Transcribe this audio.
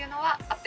あっ！